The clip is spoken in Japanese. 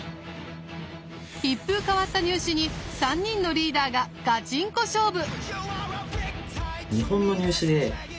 一風変わった入試に３人のリーダーがガチンコ勝負！